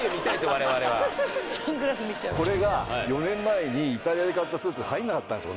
我々はこれが４年前にイタリアで買ったスーツが入んなかったんですよ